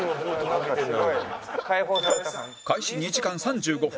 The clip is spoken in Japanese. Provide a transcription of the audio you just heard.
開始２時間３５分